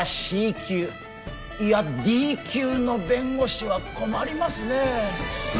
級いやＤ級の弁護士は困りますねえ